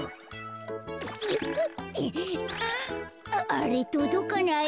あれっとどかない。